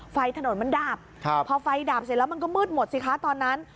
ไฟถนนมันดับพอไฟดับเสร็จแล้วมันก็มืดหมดสิคะตอนนั้น